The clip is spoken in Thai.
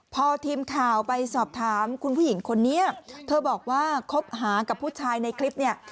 พอทีมข่าวไปสอบถามคุณผู้หญิงคนนี้เธอบอกว่าคบหากับผู้ชายในคลิปเนี่ย